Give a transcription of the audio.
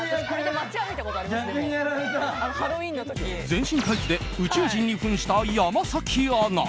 全身タイツで宇宙人に扮した山崎アナ。